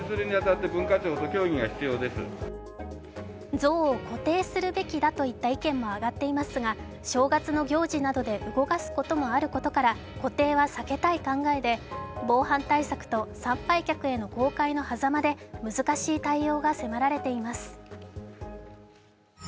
像を固定するべきだといった意見も挙がっていますが、正月の行事などで動かすこともあることから固定は避けたい考えで防犯対策と参拝客への公開のはざまで難しい対応が迫られています。